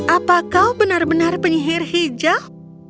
apa kau benar benar penyihir hijau